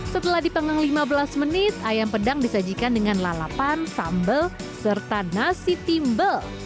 setelah dipenggang lima belas menit ayam pedang disajikan dengan lalapan sambal serta nasi timbel